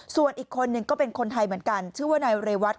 ส่วนอีกคนนึงก็เป็นคนไทยเหมือนกันชื่อว่านายเรวัต